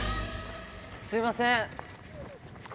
すみません。